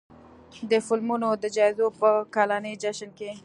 د فلمونو د جایزو په کلني جشن کې